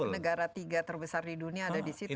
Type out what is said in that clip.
negara tiga terbesar di dunia ada di situ